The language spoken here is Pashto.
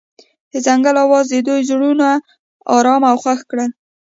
د ځنګل اواز د دوی زړونه ارامه او خوښ کړل.